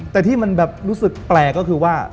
แต่ที่มันแบบรู้สึกแปลกก็คือว่า